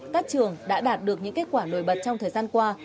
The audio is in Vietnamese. các trường đã đạt được những kết quả nổi bật trong thời gian qua